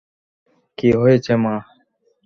কী হয়েছে মা?